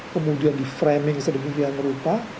kemudian diframing sedemikian rupa